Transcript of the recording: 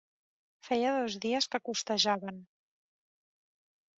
Feia dos dies que costejaven.